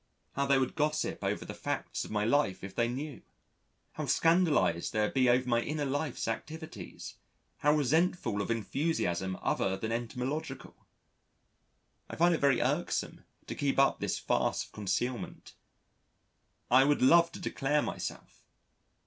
How they would gossip over the facts of my life if they knew! How scandalised they would be over my inner life's activities, how resentful of enthusiasm other than entomological! I find it very irksome to keep up this farce of concealment. I would love to declare myself.